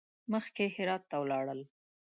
مخکې هرات ته ولاړل.